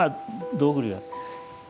道具類が。